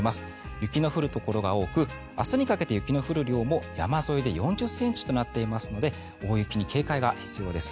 雪の降るところが多く明日にかけて雪の降る量も山沿いで４０ｃｍとなっていますので大雪に警戒が必要です。